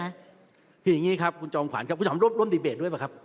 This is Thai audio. คืออย่างนี้ครับคุณจอมขวัญครับคุณหอมรบร่วมดีเบตด้วยป่ะครับ